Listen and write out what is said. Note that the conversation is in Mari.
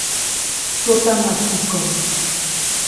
«Сотана тукым!